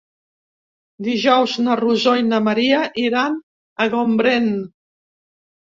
Dijous na Rosó i na Maria iran a Gombrèn.